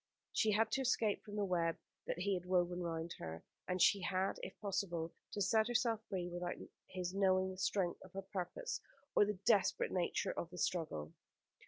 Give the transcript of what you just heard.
She had to escape from the web that he had woven round her; and she had, if possible, to set herself free without his knowing the strength of her purpose, or the desperate nature of the struggle.